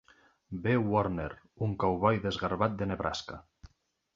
B. Warner, un cowboy desgarbat de Nebraska.